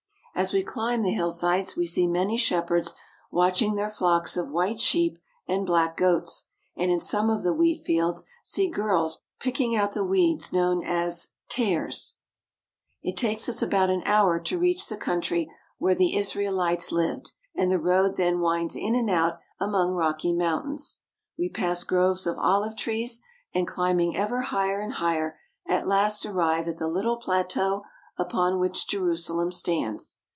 As we cHmb the hillsides we see many shepherds watch ing their flocks of white sheep and black goats, and in some of the wheat fields see girls picking out the weeds known as tares. 352 ASIATIC TURKEY It takes us about an hour to reach the country where the Israelites lived, and the road then winds in and out among rocky mountains. We pass groves of olive trees, and climbing ever higher and higher, at last arrive at the little plateau upon which Jerusalem stands.